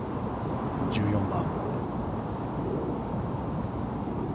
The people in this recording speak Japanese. １４番。